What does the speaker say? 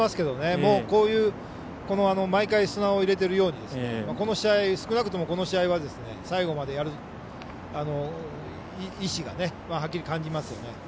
もう、毎回砂を入れているように少なくとも、この試合は最後までやる意思がはっきり感じますよね。